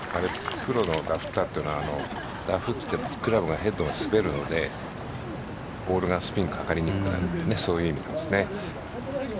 プロのダフったというのはダフってクラブがヘッドを滑るのでボールがスピンかかりにくくなるという意味です。